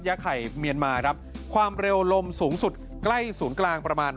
ไข่เมียนมาครับความเร็วลมสูงสุดใกล้ศูนย์กลางประมาณ